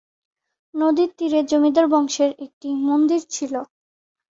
নদীর তীরে জমিদার বংশের একটি মন্দির ছিল।